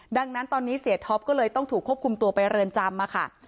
ดังนั้นตอนนี้เสียท็อปก็เลยต้องถูกควบคุมตัวไปเรือนจำค่ะ